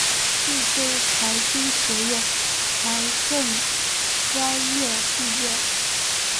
贵州财经学院财政专业毕业。